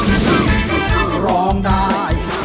คือร้องได้